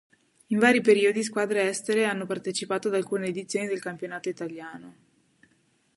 In vari periodi squadre estere hanno partecipato ad alcune edizioni del campionato italiano.